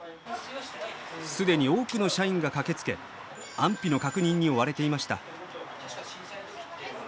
既に多くの社員が駆けつけ安否の確認に追われていました。